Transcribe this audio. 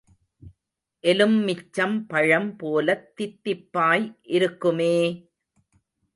எலும்மிச்சம் பழம் போலத் தித்திப்பாய் இருக்குமே!